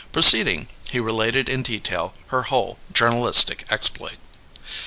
Proceeding, he related in detail her whole journalistic exploit.